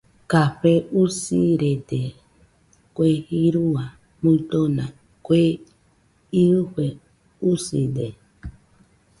Café usirede kue jirua muidona kue iɨfe uside.